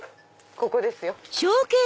ここですよ。